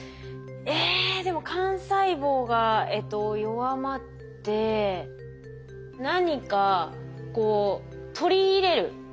えでも幹細胞が弱まって何かこう取り入れる。